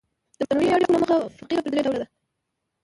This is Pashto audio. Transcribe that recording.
د معنوي اړیکو له مخه فقره پر درې ډوله ده.